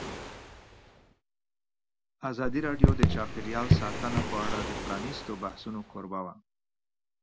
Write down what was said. ازادي راډیو د چاپیریال ساتنه په اړه د پرانیستو بحثونو کوربه وه.